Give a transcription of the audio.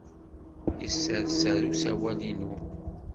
Yesserser usawal-inu.